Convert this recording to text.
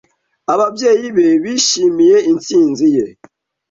Ababyeyi be bishimiye intsinzi ye.